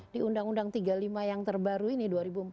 di undang undang tiga puluh lima yang terbaru ini dua ribu empat belas